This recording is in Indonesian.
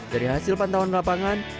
dari hasil pantauan lapangan